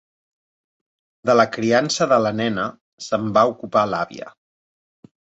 De la criança de la nena se'n va ocupar l'àvia.